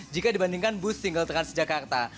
jika dibandingkan bus single transjakarta